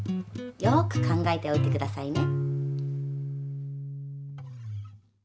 よく考えておいて下さいね。